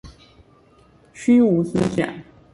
虛無思想